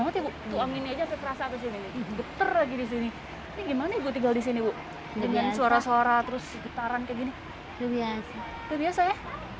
tidak ada yang bisa dipercaya